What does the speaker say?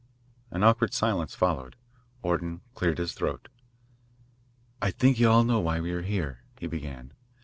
An awkward silence followed. Orton cleared his throat. "I think you all know why we are here," he began.